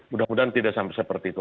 mudah mudahan tidak sampai seperti itu